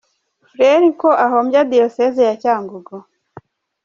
fr ko ahombya Diyoseze ya Cyangugu ?.